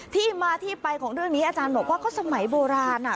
ที่มาที่ไปของเรื่องนี้อาจารย์บอกว่าก็สมัยโบราณอ่ะ